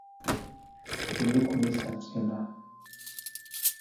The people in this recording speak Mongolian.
Би нэг хүнээс сонссон юм.